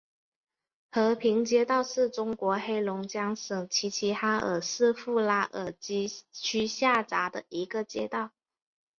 和平街道是中国黑龙江省齐齐哈尔市富拉尔基区下辖的一个街道。